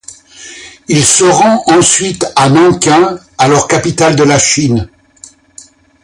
Il se rend ensuite à Nankin, alors capitale de la Chine.